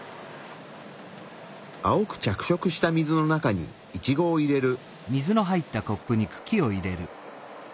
青く着色した水の中にイチゴを入れる。